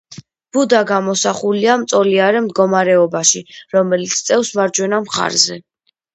ბუდა გამოსახულია მწოლიარე მდგომარეობაში, რომელიც წევს მარჯვენა მხარზე.